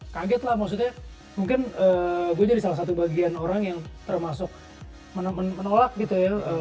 kaget lah maksudnya mungkin gue jadi salah satu bagian orang yang termasuk menolak gitu ya